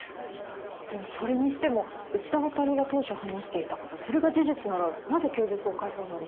でもそれにしても内田亘が当初話していたことそれが事実ならなぜ供述を変えたんだろう。